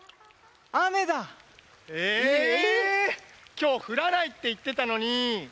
きょうふらないっていってたのに！